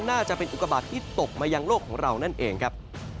น่าจะเป็นอุกบาทที่ตกมายังโลกของเรานั่นเองครับ